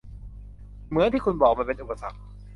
เหมือนที่คุณบอก มันเป็นอุปสรรค